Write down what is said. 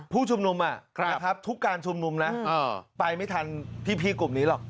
ผู้ชุมนุมทุกการชุมนุมนะไปไม่ทันพี่กลุ่มนี้หรอก